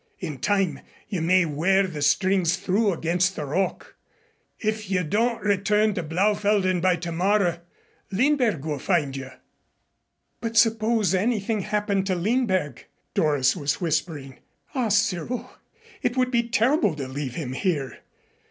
In time you may wear the strings through against a rock. If you don't return to Blaufelden by tomorrow, Lindberg will find you." "But suppose anything happened to Lindberg," Doris was whispering. "Ah, Cyril, it would be terrible to leave him here.